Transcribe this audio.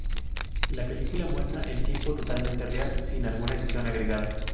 La película muestra en tiempo totalmente real, sin alguna edición agregada.